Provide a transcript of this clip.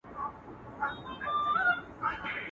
اوس ماشومان له تاریخونو سره لوبي کوي.